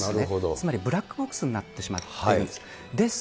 つまり、ブラックボックスになってしまっているんです。